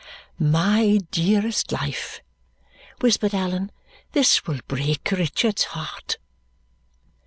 "My dearest life," whispered Allan, "this will break Richard's heart!"